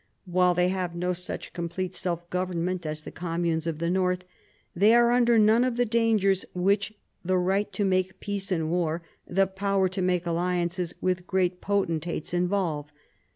While they have no such complete self government as the communes of the north, they are under none of the dangers which the right to make peace and war, the power to make alliances with great potentates, involve.